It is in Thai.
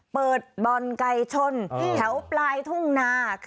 บ่อนไก่ชนแถวปลายทุ่งนา